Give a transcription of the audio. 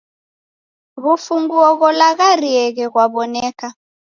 W'ufunguo gholagharieghe ghwaw'oneka